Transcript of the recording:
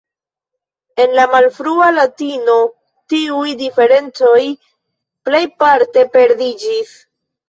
En la malfrua latino tiuj diferencoj plejparte perdiĝis.